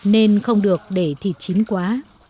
nên không được để thịt chín quá